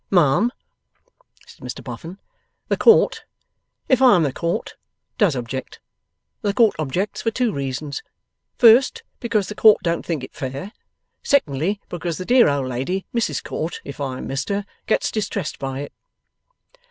'Ma'am,' said Mr Boffin, 'the Court (if I am the Court) does object. The Court objects for two reasons. First, because the Court don't think it fair. Secondly, because the dear old lady, Mrs Court (if I am Mr) gets distressed by it.